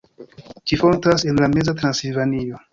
Ĝi fontas en la meza Transilvanio.